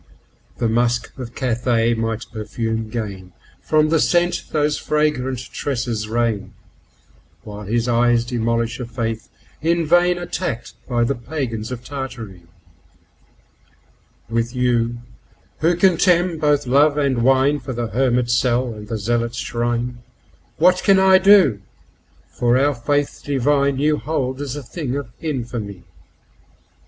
The musk of Cathay might perfume gain from the scent those fragrant tresses rain, 1 This poem is presumably addressed to the Báb. XI. SELECTED POEMS 349 While his eyes demolish a faith in vain attacked by the pagans of Tartary1.With you, who contemn both love and wine2 for the hermit's cell and the zealot's shrine, What can I do, for our Faith divine you hold as a thing of infamy?